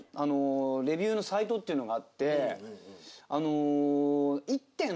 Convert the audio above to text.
レビューのサイトっていうのがあって。